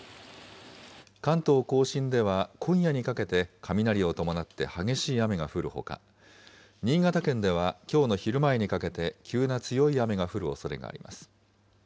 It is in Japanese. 関東甲信では今夜にかけて、雷を伴って激しい雨が降るほか、新潟県ではきょうの昼前にかけて、急な強い雨が降るおそれがあります。